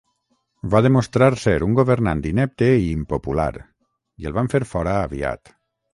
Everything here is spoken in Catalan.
Va demostrar ser un governant inepte i impopular i el van fer fora aviat.